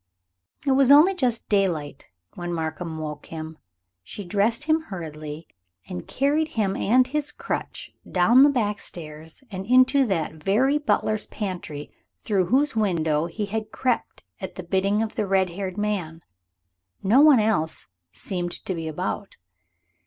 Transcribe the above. It was only just daylight when Markham woke him. She dressed him hurriedly, and carried him and his crutch down the back stairs and into that very butler's pantry through whose window he had crept at the bidding of the red haired man. No one else seemed to be about.